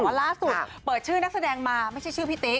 ล่าสุดเปิดชื่อนักแสดงมาไม่ใช่ชื่อพี่ติ๊ก